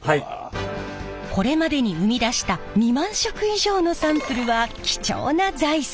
これまでに生み出した２万色以上のサンプルは貴重な財産。